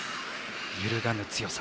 揺るがぬ強さ。